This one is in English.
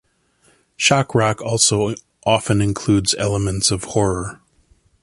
Shock rock also often includes elements of horror.